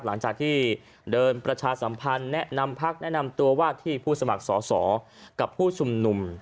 หลังจากที่เดินประชาสัมพันธ์แนะนำพักแนะนำตัวว่าที่ผู้สมัครสอสอกับผู้ชุมนุม